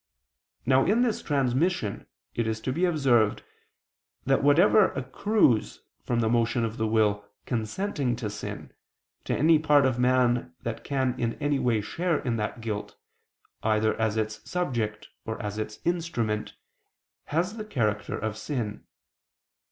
Now in this transmission it is to be observed, that whatever accrues from the motion of the will consenting to sin, to any part of man that can in any way share in that guilt, either as its subject or as its instrument, has the character of sin.